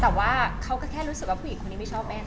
แต่ว่าเขาก็แค่รู้สึกว่าผู้หญิงคนนี้ไม่ชอบแอ้น